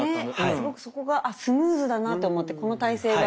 すごくそこがスムーズだなと思ってこの体勢が一番。